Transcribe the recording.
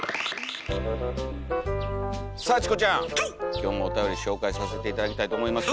今日もおたより紹介させて頂きたいと思いますよ！